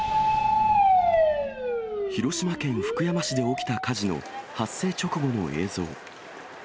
広島県福山市で起きた火事の発生直後の映像。